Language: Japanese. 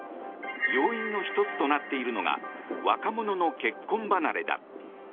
要因の１つとなっているのが若者の結婚離れだ。